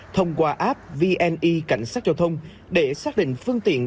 thông qua app vni cảnh sát giao thông để xác định phương tiện